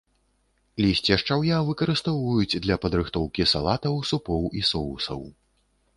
Лісце шчаўя выкарыстоўваюць для падрыхтоўкі салатаў, супоў і соусаў.